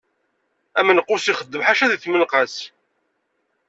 Amenqus ixeddem ḥaca di tmenqas.